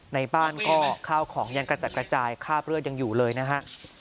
ในบ้านก็ข้าวของยังกระจัดกระจายคราบเลือดยังอยู่เลยนะฮะ